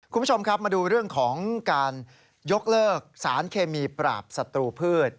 คุณผู้ชมครับมาดูเรื่องของการยกเลิกสารเคมีปราบศัตรูพืช